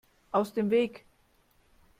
Aus dem Weg!